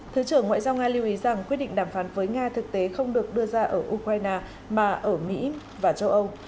thứ trưởng ngoại giao nga lưu ý rằng quyết định đàm phán với nga thực tế không được đưa ra ở ukraine mà ở mỹ và châu âu